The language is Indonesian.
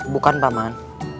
bukan pak man